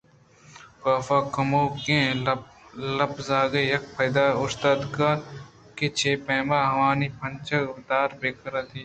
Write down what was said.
کاف کموکیں لپرزگ ءُیک پاد ءَ اوشتاتگ اَت کہ چے پیم ءَ آوانی پنجگ ءَ وتارا بہ رکّینیت